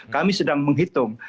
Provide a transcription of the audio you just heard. kami sedang menghitung